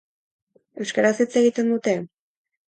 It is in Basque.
Euskaraz hitz egiten dute?